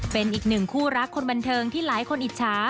เป็นอีกหนึ่งคู่รักคนบันเทิงที่หลายคนอิจฉา